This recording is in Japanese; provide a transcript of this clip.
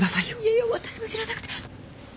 いや私も知らなくて。